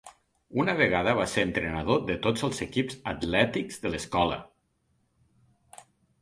Una vegada va ser entrenador de tots els equips atlètics de l'escola.